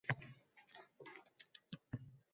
Aholidan pilla sotib olish narxi oshiriladi